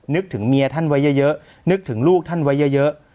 นึกถึงเมียท่านไว้เยอะนึกถึงลูกท่านไว้เยอะ